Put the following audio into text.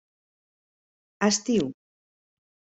Estiu: